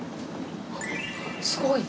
すごいね。